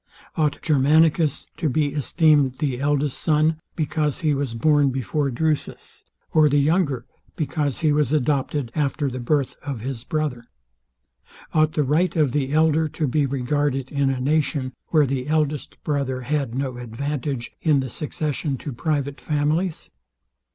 Ought Germanicus to be esteemed the eldest son, because he was born before Drufus; or the younger, because he was adopted after the birth of his brother? Ought the right of the elder to be regarded in a nation, where the eldest brother had no advantage in the succession to private families?